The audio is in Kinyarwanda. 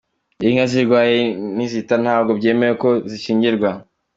Inka zirwaye n’izihaka ntabwo byemewe ko zikingirwa.